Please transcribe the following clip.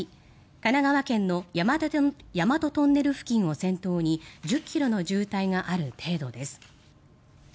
神奈川県の大和トンネル付近を先頭に１０ｋｍの渋滞がある程度です。